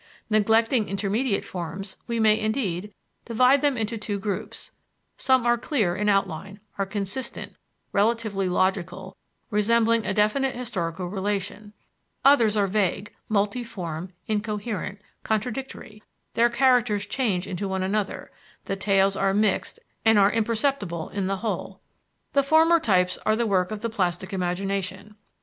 Neglecting intermediate forms, we may, indeed, divide them into two groups; some are clear in outline, are consistent, relatively logical, resembling a definite historical relation; others are vague, multiform, incoherent, contradictory; their characters change into one another, the tales are mixed and are imperceptible in the whole. The former types are the work of the plastic imagination.